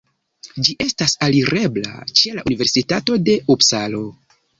Ĝi estas alirebla ĉe la universitato de Upsalo.